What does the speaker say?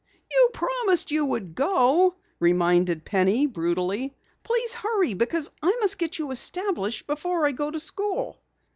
"You promised you would go," reminded Penny brutally. "Please hurry, because I must get you established before I go to school."